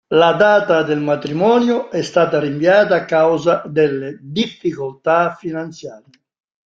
La data del matrimonio è stata rinviata a causa delle difficoltà finanziarie.